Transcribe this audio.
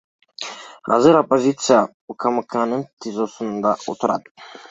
Азыр оппозициячы УКМКнын ТИЗОсунда отурат.